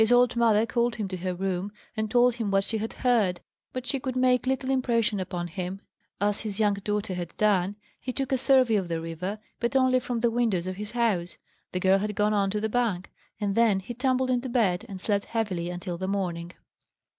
His old mother called him to her room, and told him what she had heard; but she could make little impression upon him. As his young daughter had done, he took a survey of the river, but only from the windows of his house the girl had gone on to the bank and then he tumbled into bed, and slept heavily until the morning.